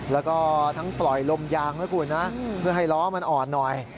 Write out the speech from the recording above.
แล้วก็ทั้งปล่อยลมยางนะคุณนะเพื่อให้ล้อมันอ่อนหน่อย